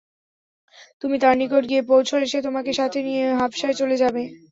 তুমি তার নিকট গিয়ে পৌঁছলে সে তোমাকে সাথে নিয়ে হাবশায় চলে যাবে।